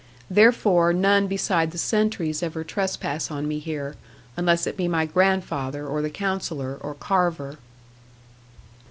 Therefore none beside the sentries ever trespass on me here, unless it be my grandfather, or the Counsellor or Carver.